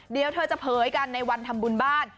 เดี๋ยวเธอจะเผยกันในวันทำบุญบ้าน